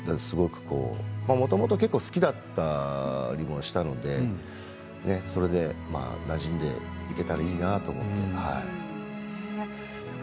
もともと好きだったりもしたのでそれで、なじんでいけたらいいなと思って、はい。